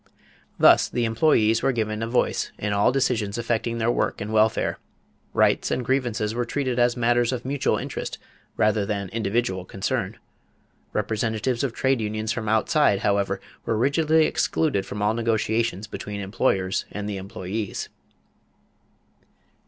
Thus the employees were given a voice in all decisions affecting their work and welfare; rights and grievances were treated as matters of mutual interest rather than individual concern. Representatives of trade unions from outside, however, were rigidly excluded from all negotiations between employers and the employees.